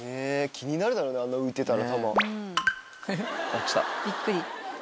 気になるだろうねあんな浮いてたら球。